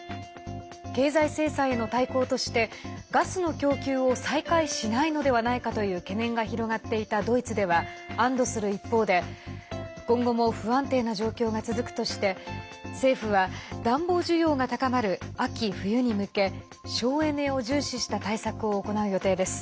経済制裁への対抗としてガスの供給を再開しないのではないかという懸念が広がっていたドイツでは安どする一方で今後も不安定な状況が続くとして政府は、暖房需要が高まる秋冬に向け省エネを重視した対策を行う予定です。